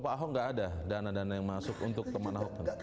pak ahok nggak ada dana dana yang masuk untuk teman ahok